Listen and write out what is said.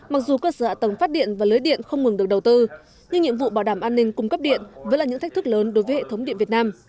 mặc dù cơ sở hạ tầng phát điện và lưới điện không ngừng được đầu tư nhưng nhiệm vụ bảo đảm an ninh cung cấp điện vẫn là những thách thức lớn đối với hệ thống điện việt nam